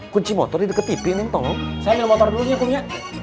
kunci motor di deket tv tolong saya motor dulu ya